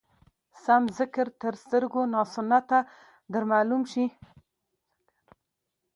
سم ذکر تر سترګو ناسنته در معلوم شي.